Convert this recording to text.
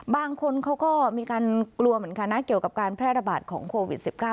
บางคนเขาก็มีการกลัวเหมือนกันนะเกี่ยวกับการแพร่ระบาดของโควิด๑๙